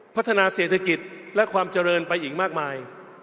พัฒนาเศรษฐกิจและความเจริญไปอีกมากมาย